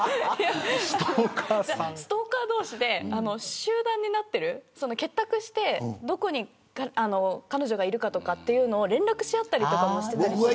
ストーカー同士で集団になっている結託して、どこに彼女がいるかとかというのを連絡しあったりしていたりとか。